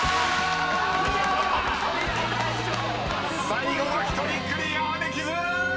［最後の１人クリアできず！］